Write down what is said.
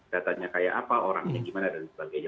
datanya kayak apa orangnya gimana dan sebagainya